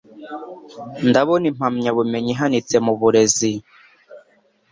Ndabona impamyabumenyi ihanitse mu burezi.